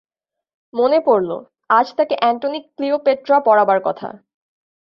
মনে পড়ল, আজ তাকে অ্যাণ্টনি ক্লিয়োপ্যাট্রা পড়াবার কথা।